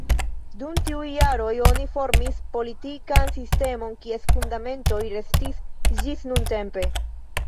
Dum tiuj jaroj oni formis politikan sistemon kies fundamentoj restis ĝis nuntempe.